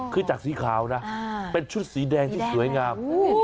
คือจากสีขาวนะเป็นชุดสีแดงที่สวยงาม